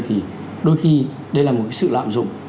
thì đôi khi đây là một sự lạm dụng